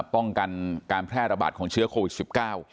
ป้องกันการแพร่ระบาดของเชื้อโควิด๑๙